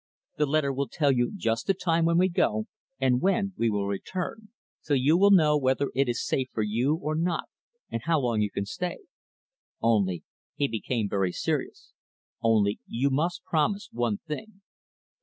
The letter will tell you just the time when we go, and when we will return so you will know whether it is safe for you or not, and how long you can stay. Only" he became very serious "only, you must promise one thing."